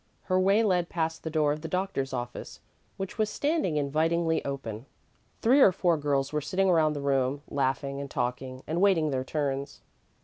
Her way led past the door of the doctor's office, which was standing invitingly open. Three or four girls were sitting around the room, laughing and talking and waiting their turns.